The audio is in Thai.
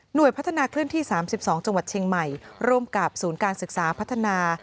โดยพัฒนาเคลื่อนที่๓๒จังหวัดเชียงใหม่ร่วมกับศูนย์การศึกษาพัฒนา